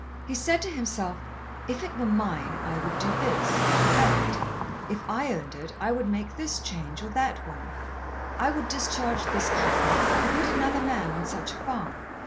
He said to himself, "If it were mine I would do this, or that. If I owned it, I would make this change or that one. I would discharge this keeper or put another man on such a farm."